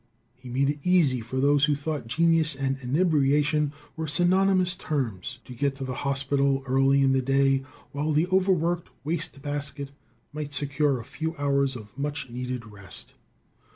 He made it easy for those who thought genius and inebriation were synonymous terms to get to the hospital early in the day, while the overworked waste basket might secure a few hours of much needed rest.